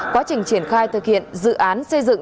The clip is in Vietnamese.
quá trình triển khai thực hiện dự án xây dựng